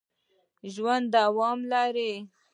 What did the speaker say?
ژوند دوام لري